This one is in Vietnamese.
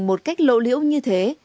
một cách lộ liễu như thế